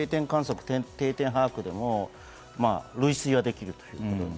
定点把握でも類推はできると。